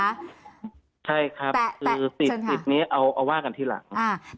ใช่ครับคือติดนี้เอาว่ากันทีหลัง